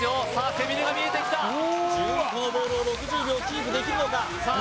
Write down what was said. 背ビレが見えてきた１２個のボールを６０秒キープできるのかさあ